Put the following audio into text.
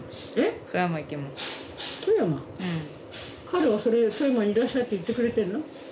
彼はそれで富山にいらっしゃいって言ってくれてんの？